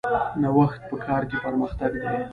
نوښت په کار کې پرمختګ دی